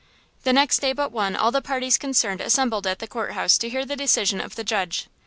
The next day but one all the parties concerned assembled at the court house to hear the decision of the judge.